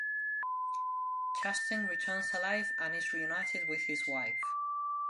Chastain returns alive and is reunited with his wife.